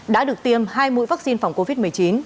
đã được tiêm hai mũi vaccine phòng covid một mươi chín